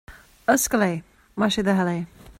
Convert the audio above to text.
Oscail é, más é do thoil é